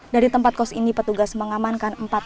dari tempat kos ini petugas mengamankan empat perangkat